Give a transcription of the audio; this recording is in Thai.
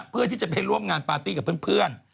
เพื่อที่จะไปร่วมงานปาร์ตี้กับเพื่อน